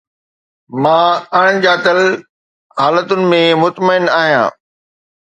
مان اڻڄاتل حالتن ۾ مطمئن آهيان